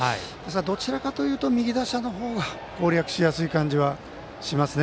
どちらかというと、右打者の方が攻略しやすい感じはしますね